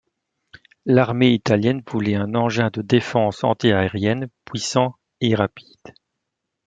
L'armée italienne voulait un engin de défense antiaérienne puissant et rapide.